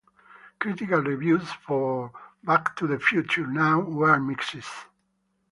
Critical reviews for "Back to the Future Now" were mixed.